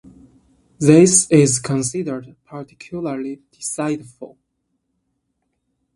This is considered particularly deceitful.